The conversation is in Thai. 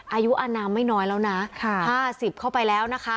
อายุอนามไม่น้อยแล้วนะค่ะห้าสิบเข้าไปแล้วนะคะ